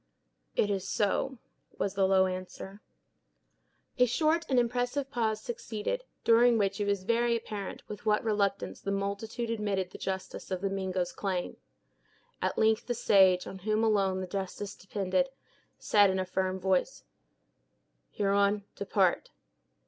"It is so," was the low answer. A short and impressive pause succeeded, during which it was very apparent with what reluctance the multitude admitted the justice of the Mingo's claim. At length the sage, on whom alone the decision depended, said, in a firm voice: "Huron, depart."